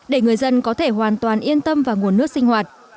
để người dân có thể hoàn toàn yên tâm vào nguồn nước sinh hoạt an toàn